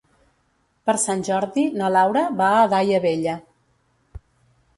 Per Sant Jordi na Laura va a Daia Vella.